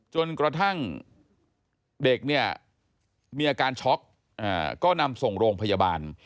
จนกระทั่งเด็กเนี่ยมีอาการช็อกก็นำส่งโรงพยาบาล